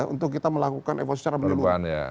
untuk kita melakukan evaluasi secara berlalu